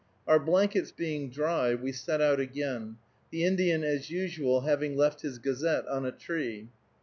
Our blankets being dry, we set out again, the Indian as usual having left his gazette on a tree.